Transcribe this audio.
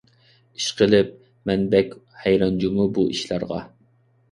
ئىشقىلىپ، مەن بەك ھەيران جۇمۇ بۇ ئىشلارغا.